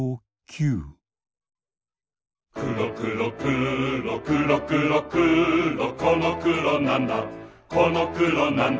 くろくろくろくろくろくろこのくろなんだこのくろなんだ